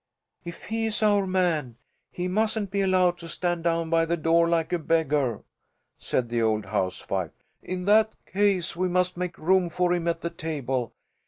"If he is our man, he mustn't be allowed to stand down by the door, like a beggar," said the old housewife. "In that case, we must make room for him at the table.